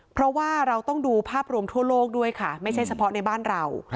เพราะว่าเราต้องดูภาพรวมทั่วโลกด้วยค่ะไม่ใช่เฉพาะในบ้านเรา